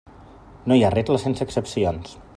No hi ha regla sense excepcions.